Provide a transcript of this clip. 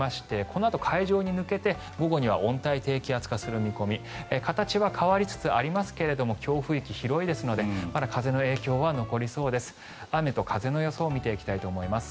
このあと海上に抜けて午後には温帯低気圧化する見込み形は変わりつつありますが強風域、広いですのでまだ風の影響は残りそうです。